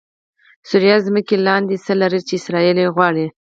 سوریه ځمکې لاندې څه لري چې اسرایل غواړي؟😱